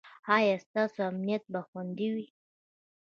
ایا ستاسو امنیت به خوندي وي؟